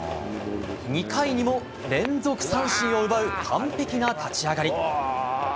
２回にも連続三振を奪う完璧な立ち上がり。